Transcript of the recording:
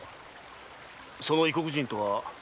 その異国人とは何者だ？